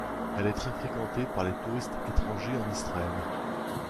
Elle est très fréquentée par les touristes étrangers en Israël.